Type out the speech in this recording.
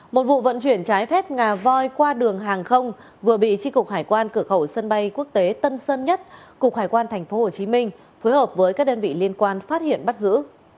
một vụ vận chuyển trái phép ngà voi qua đường hàng không vừa bị tri cục hải quan cửa khẩu sân bay quốc tế tân sơn nhất cục hải quan tp hcm phối hợp với các đơn vị liên quan phát hiện bắt giữ